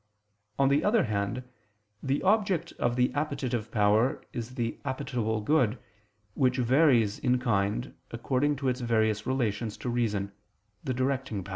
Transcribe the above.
On the other hand, the object of the appetitive power is the appetible good, which varies in kind according to its various relations to reason, the directing power.